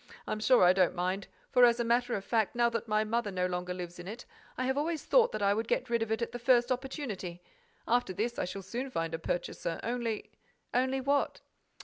—I'm sure I don't mind, for, as a matter of fact, now that my mother no longer lives in it, I have always thought that I would get rid of it at the first opportunity. After this, I shall soon find a purchaser. Only—" "Only what?"